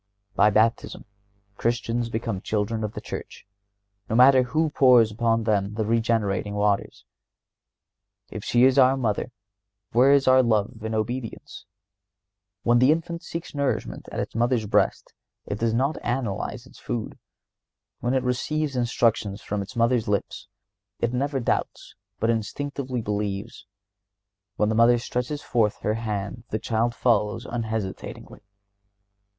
By Baptism Christians become children of the Church, no matter who pours upon them the regenerating waters. If she is our Mother, where is our love and obedience? When the infant seeks nourishment at its mother's breast it does not analyze its food. When it receives instructions from its mother's lips it never doubts, but instinctively believes. When the mother stretches forth her hand the child follows unhesitatingly.